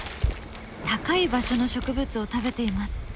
高い場所の植物を食べています。